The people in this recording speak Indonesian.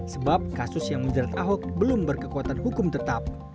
sebab kasus yang menjerat ahok belum berkekuatan hukum tetap